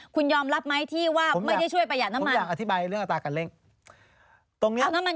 คุณยอมรับไหมที่ว่าไม่ได้ช่วยประหยัดน้ำมัน